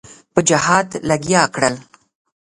په جهاد لګیا کړل.